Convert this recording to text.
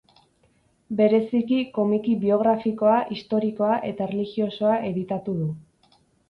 Bereziki Komiki biografikoa, historikoa eta erlijiosoa editatu du.